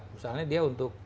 misalnya dia untuk